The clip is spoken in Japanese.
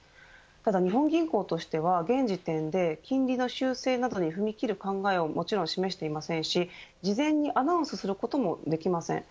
ただ、日本銀行としては現時点で金利の修正などに踏み切る考えをもちろん示していませんし事前にアナウンスすることもできません。